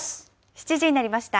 ７時になりました。